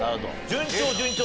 順調順調。